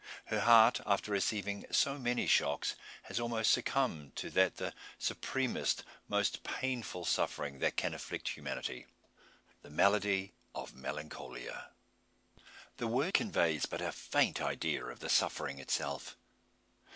Her heart, after receiving so many shocks, has almost succumbed to that the supremest, most painful suffering that can afflict humanity the malady of melancholia. The word conveys but a faint idea of the suffering itself.